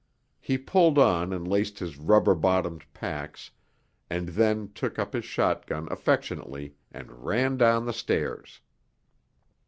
He pulled on and laced his rubber bottomed pacs, and then took up his shotgun affectionately and ran down the stairs.